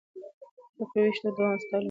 پر وېښتو دوامداره سټایلونه مه جوړوئ.